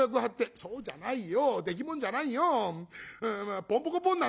「そうじゃないよ。